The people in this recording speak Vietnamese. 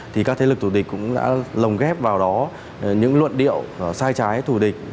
thì các thế lực thủ địch cũng đã lồng ghép vào đó những luận điệu sai trái thủ địch